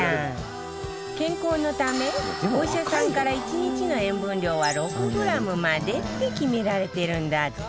健康のためお医者さんから１日の塩分量は６グラムまでって決められてるんだって